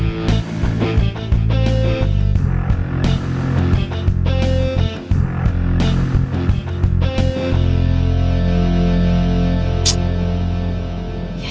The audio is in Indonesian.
saya akan menemukan mereka